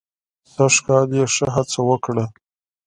سږ کال یې ښه هڅه وکړه.